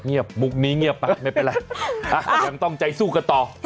มุกนี้เงียบไปไม่เป็นไรยังต้องใจสู้กันต่อ